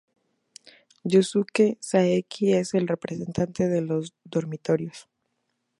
Yusuke Saeki: Es el representante de los dormitorios.